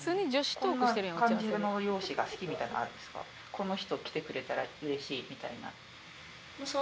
この人来てくれたらうれしいみたいな。